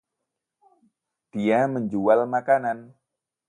Dia menjual makanan.